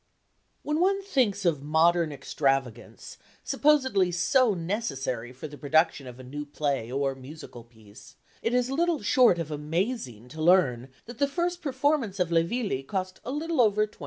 When one thinks of modern extravagance, supposedly so necessary for the production of a new play or musical piece, it is little short of amazing to learn that the first performance of Le Villi cost a little over £20.